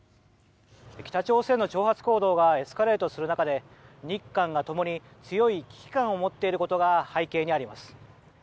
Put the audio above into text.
北朝鮮の挑発行動がエスカレートする中で日韓が共に強い危機感を持っていることが背景にあります。